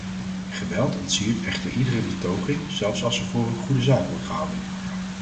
Geweld ontsiert echter iedere betoging, zelfs als ze voor een goede zaak wordt gehouden.